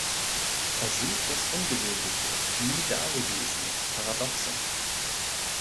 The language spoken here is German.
Er sucht das Ungewöhnliche, nie Dagewesene, Paradoxe.